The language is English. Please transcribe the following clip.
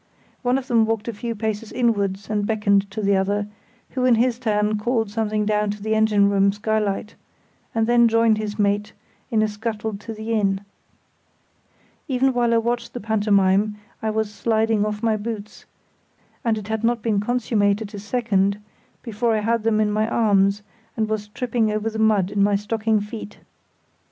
One of them walked a few paces inn wards and beckoned to the other, who in his turn called something down the engine room skylight, and then joined his mate in a scuttle to the inn. Even while I watched the pantomime I was sliding off my boots, and it had not been consummated a second before I had them in my arms and was tripping over the mud in my stocking feet.